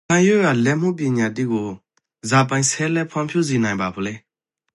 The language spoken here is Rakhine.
ရခိုင်ရိုးရာလက်မှုပညာတိကိုဇာပိုင်ဆက်လက် ဖွံ့ဖြိုးစေနိုင်ပါဖို့လဲ?